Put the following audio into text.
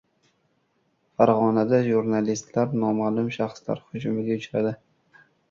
Farg‘onada jurnalistlar noma’lum shaxslar hujumiga uchradi